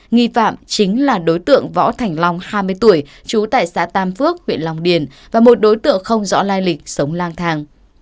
nghi phạm chính là đối tượng võ thành long hai mươi tuổi trú tại xã tam phước huyện long điền và một đối tượng không rõ lai lịch sống lang thang